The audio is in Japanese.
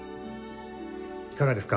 いかがですか？